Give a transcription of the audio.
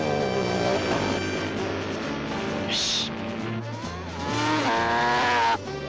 よし。